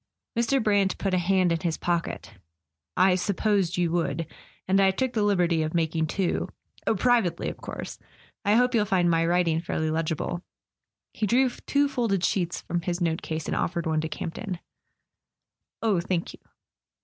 Mr. Brant put a hand in his pocket. "I supposed you would. And I took the liberty of making two— oh, privately, of course. I hope you'll find my writing fairly legible." He drew two folded sheets from his note case, and offered one to Camp ton. "Oh, thank you."